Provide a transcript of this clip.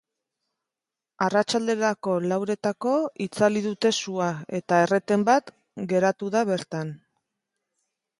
Arratsaldeko lauretarako itzali dute sua eta erreten bat geratu da bertan.